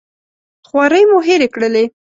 خوارۍ مو هېرې کړلې.